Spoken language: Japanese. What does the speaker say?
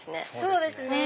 そうですね